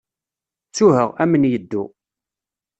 Ttuha, amen yeddu.